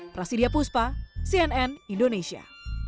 prasidya puspa cnn indonesia